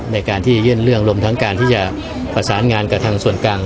ในการที่ยื่นเรื่องรวมทั้งการที่จะประสานงานกับทางส่วนกลาง